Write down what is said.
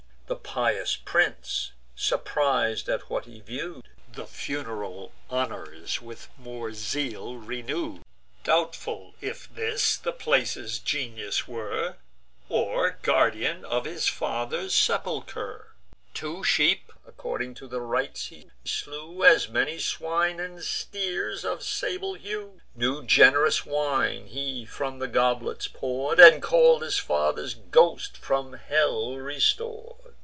The pious prince, surpris'd at what he view'd, The fun'ral honours with more zeal renew'd, Doubtful if this place's genius were, Or guardian of his father's sepulcher. Five sheep, according to the rites, he slew; As many swine, and steers of sable hue; New gen'rous wine he from the goblets pour'd. And call'd his father's ghost, from hell restor'd.